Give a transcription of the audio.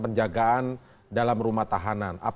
penjagaan dalam rumah tahanan